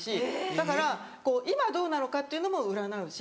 だから今どうなのかっていうのも占うし。